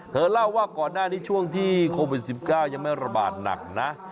เธอเล่าว่าก่อนหน้านี้ช่วงที่โควิด๑๙ยังไม่ระบาดหนักนะ